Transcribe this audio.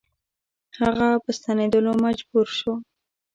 هغه په ستنېدلو مجبور شو.